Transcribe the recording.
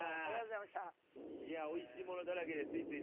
いやおいしいものだらけでついついね